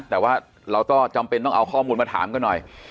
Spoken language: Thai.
แต่ว่าเราก็จำเป็นต้องเอาข้อมูลมาถามกันหน่อย